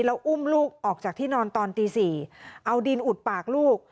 แล้วอุ้มลูกออกจากที่นอนตอนตี๔เอาดินอุดปากลูก